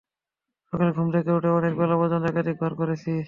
সকালে ঘুম থেকে উঠে অনেক বেলা পর্যন্ত, একাধিকবার করেছি।